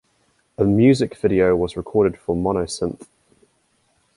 A music video was recorded for Monosynth.